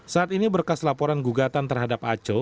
saat ini berkas laporan gugatan terhadap aco